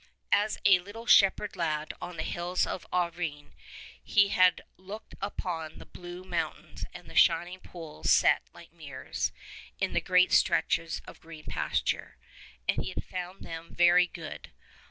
As a little shepherd lad on the hills of Auvergne he had looked upon the blue moun tains and the shining pools set like mirrors in the great stretches of green pasture, and he had found them very good.